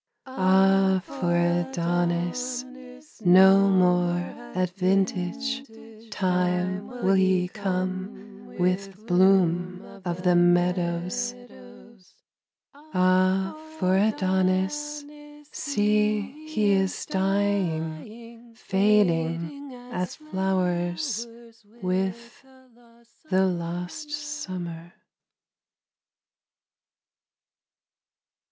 Ah, for Adonis! No more at vintage Time will he come with Bloom of the meadows. Ah, for Adonis! See, he is dying, Fading as flowers With the lost summer.